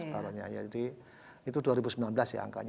separohnya ya jadi itu dua ribu sembilan belas ya angkanya